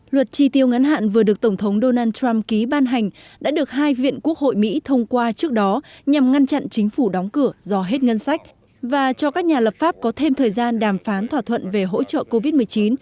luật tri tiêu ngắn hạn vừa được tổng thống donald trump ký ban hành đã được hai viện quốc hội mỹ thông qua trước đó nhằm ngăn chặn chính phủ đóng cửa do hết ngân sách và cho các nhà lập pháp có thêm thời gian đàm phán thỏa thuận về hỗ trợ covid một mươi chín